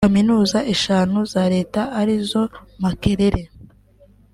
Kaminuza eshanu za leta ari zo Makerere